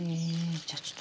じゃあちょっと。